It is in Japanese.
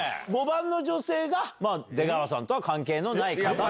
５番の女性が出川さんとは関係のない方だと。